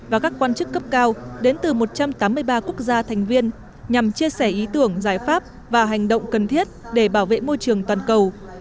và các quan chức cấp cao đến từ một trăm tám mươi ba quốc gia thành viên nhằm chia sẻ ý tưởng giải pháp và hành động cần thiết để bảo vệ môi trường toàn cầu